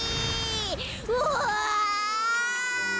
うわ！